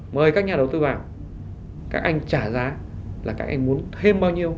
mời các nhà đầu tư vào các anh trả giá là các anh muốn thêm bao nhiêu